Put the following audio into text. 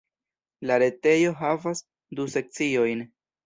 La retejo havas du sekciojn.